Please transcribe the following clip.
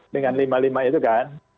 dengan lima lima itu kan